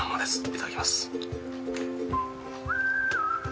いただきます。